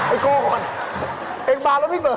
ไอ้โกหกค่ะ